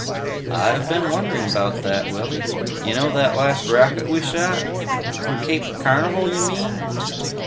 "I've been wondering about that, Willy. You know that last rocket we shot?" "From Cape Carnival you mean?"